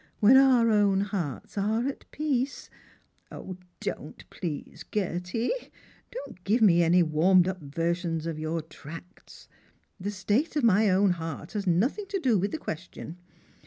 When our own hearts are at peace "" Don't, please, Gerty; don't give me any warmed up versions of your tracts. The state of my own heart has nothing to do with the question.